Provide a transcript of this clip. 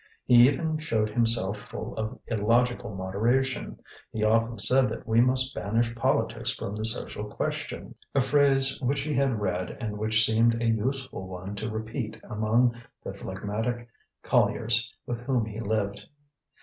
He even showed himself full of illogical moderation; he often said that we must banish politics from the social question, a phrase which he had read and which seemed a useful one to repeat among the phlegmatic colliers with whom he lived.